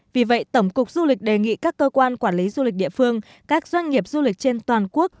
vì vậy tổng cục du lịch đề nghị các cơ quan quản lý du lịch địa phương các doanh nghiệp du lịch trên toàn quốc